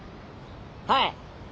はい！